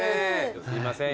すいません